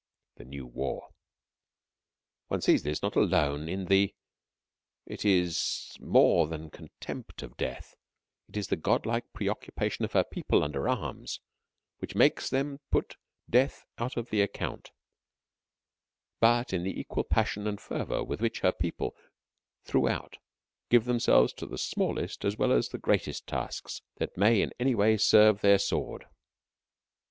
THE NEW WAR One sees this not alone in the it is more than contempt of death in the godlike preoccupation of her people under arms which makes them put death out of the account, but in the equal passion and fervour with which her people throughout give themselves to the smallest as well as the greatest tasks that may in any way serve their sword.